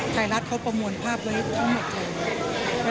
ไทยรัฐเขาประมวลภาพไว้ทั้งหมดเลย